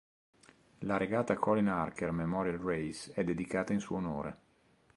La regata "Colin Archer Memorial Race" è dedicata in suo onore.